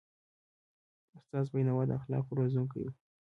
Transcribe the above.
استاد بینوا د اخلاقو روزونکی و.